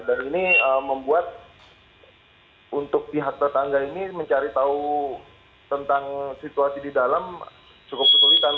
dan ini membuat untuk pihak tetangga ini mencari tahu tentang situasi di dalam cukup kesulitan